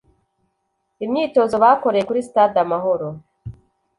Imyitozo bakoreye kuri stade Amahoro